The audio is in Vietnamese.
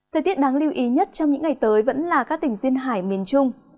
thời tiết đáng lưu ý nhất trong những ngày tới vẫn là các tỉnh duyên hải miền trung